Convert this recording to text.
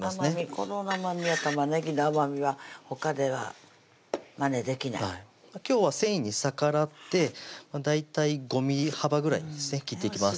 この甘みは玉ねぎの甘みはほかではまねできない今日は繊維に逆らって大体５ｍｍ幅ぐらいにですね切っていきます